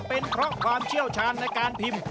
เป็นเพราะความเชี่ยวชาญในการพิมพ์